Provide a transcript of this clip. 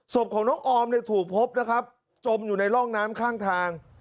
ศพของน้องออมเนี่ยถูกพบนะครับจมอยู่ในร่องน้ำข้างทาง